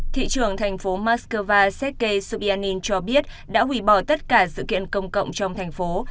thị trưởng thành phố moscow sergei subianin cho biết đã hủy bỏ tất cả sự kiện công cộng trong thành phố